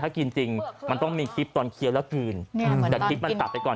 ถ้ากินจริงมันต้องมีคลิปตอนเคี้ยวแล้วคืนแต่คลิปมันตัดไปก่อน